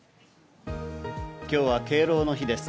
今日は敬老の日です。